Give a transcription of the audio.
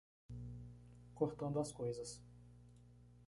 Cortando as coisas